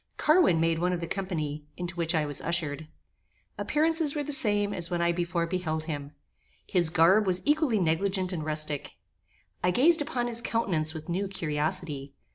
Carwin made one of the company, into which I was ushered. Appearances were the same as when I before beheld him. His garb was equally negligent and rustic. I gazed upon his countenance with new curiosity.